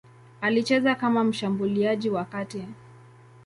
Alicheza kama mshambuliaji wa kati.